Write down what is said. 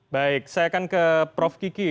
baik saya akan ke prof kiki